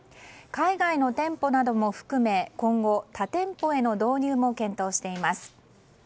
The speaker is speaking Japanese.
海外の店舗なども含め今後、他店舗への導入も検討しています。